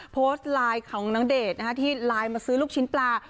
โพสต์ไลน์ของณเดชน์ที่ไลน์มาซื้อลูกชิ้นปลา